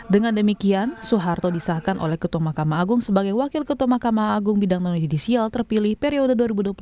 dengan demikian soeharto disahkan oleh ketua makam agung sebagai wakil ketua makam agung bidang non yudisial terpilih periode dua ribu dua puluh empat dua ribu dua puluh sembilan